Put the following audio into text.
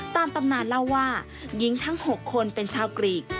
ตำนานเล่าว่าหญิงทั้ง๖คนเป็นชาวกรีก